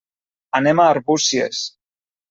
Anem a Arbúcies.